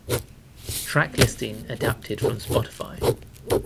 Track listing adapted from Spotify